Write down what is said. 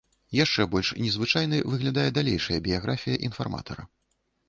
Яшчэ больш незвычайнай выглядае далейшая біяграфія інфарматара.